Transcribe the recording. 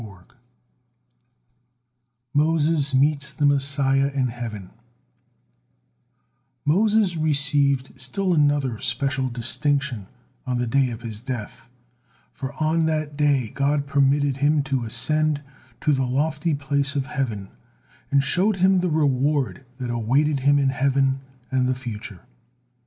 MOSES MEETS THE MESSIAH IN HEAVEN Moses received still another special distinction on the day of his death, for on that day God permitted him to ascend to the lofty place of heaven, and showed him the reward that awaited him in heaven, and the future.